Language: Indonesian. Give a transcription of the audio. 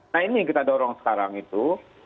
nah ini yang kita dorong sekarang itu